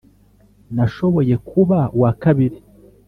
Nashoboye kuba uwa kabiri